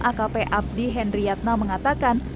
akp abdi henry yatna mengatakan